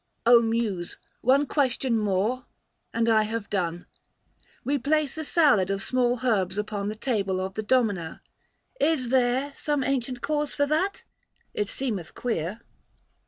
410 " muse, one question more, and I have done, We place a salad of small herbs upon* The table of the Domina — is there Some ancient cause for that ? it seemeth queer."